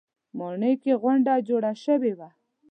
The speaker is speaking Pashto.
ماڼۍ کې غونډه جوړه شوې وه.